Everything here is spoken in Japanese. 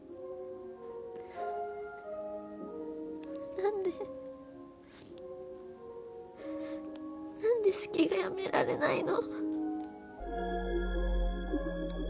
なんでなんで好きがやめられないの？